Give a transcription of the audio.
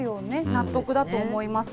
納得だと思います。